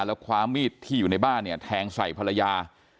แล้วคว้ามีดที่อยู่ในบ้านเนี่ยแทงใส่ภรรยา